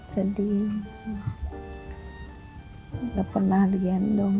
jadi gak pernah diendong